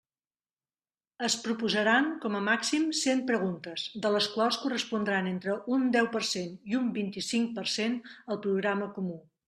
Es proposaran, com a màxim, cent preguntes, de les quals correspondran entre un deu per cent i un vint-i-cinc per cent al programa comú.